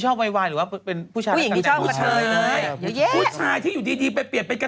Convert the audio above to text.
ฉันยังไม่เห็นจะเคยมีเลยนะ